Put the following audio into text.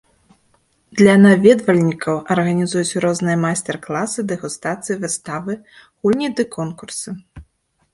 Для наведвальнікаў арганізуюць розныя майстар-класы, дэгустацыі, выставы, гульні ды конкурсы.